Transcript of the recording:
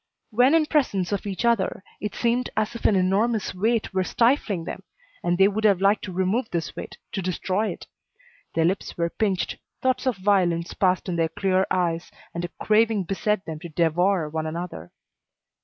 When in presence of each other, it seemed as if an enormous weight were stifling them, and they would have liked to remove this weight, to destroy it. Their lips were pinched, thoughts of violence passed in their clear eyes, and a craving beset them to devour one another.